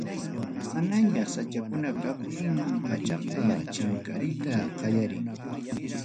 Manaña sachakuna kaptin, pachaqa chinkariyta qallarin.